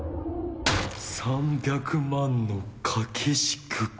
３００万の掛け軸が